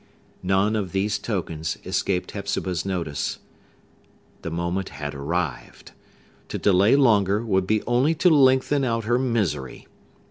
None of these tokens escaped Hepzibah's notice. The moment had arrived. To delay longer would be only to lengthen out her misery.